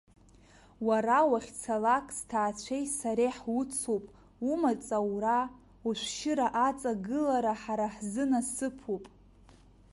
Уара уахьцалак сҭаацәеи сареи ҳуцуп, умаҵ аура, ушәшьыра аҵагылара ҳара ҳзы насыԥуп!